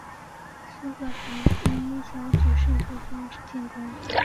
苏格兰则以小组渗透的方式进攻。